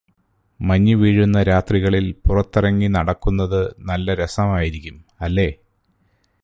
മഞ്ഞുവീഴുന്ന രാത്രികളില് പുറത്തിറങ്ങിനടക്കുന്നത് നല്ല രസമായിരിക്കും അല്ലേ